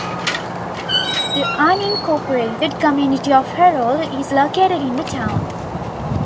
The unincorporated community of Herold is located in the town.